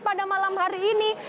pada malam hari ini